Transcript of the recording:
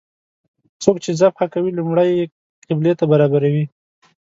څوک چې ذبحه کوي لومړی یې قبلې ته برابروي.